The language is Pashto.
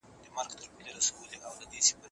ستاسو شخصیت به د نورو لپاره نمونه وي.